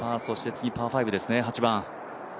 次、パー５ですね、８番。